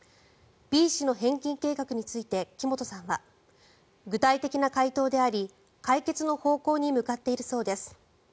Ｂ氏の返金計画について木本さんは具体的な回答であり解決の方向に向かっているそうです。